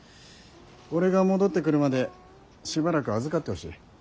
俺が戻ってくるまでしばらく預かってほしい。